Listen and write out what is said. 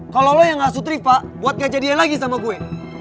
kalau lo yang ngasutri pak buat gajah dia lagi sama gue